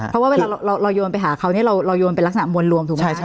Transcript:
เพราะว่าเวลาเราโยนไปหาเขาเนี่ยเราโยนเป็นลักษณะมวลรวมถูกไหม